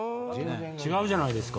違うじゃないですか。